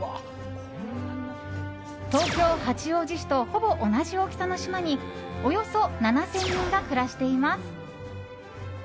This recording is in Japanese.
東京・八王子市とほぼ同じ大きさの島におよそ７０００人が暮らしています。